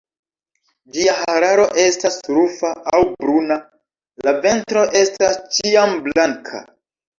Ĝia hararo estas rufa aŭ bruna; la ventro estas ĉiam blanka.